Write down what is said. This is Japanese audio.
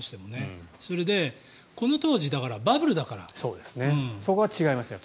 それで、この当時バブルだから。そこは違いましたね。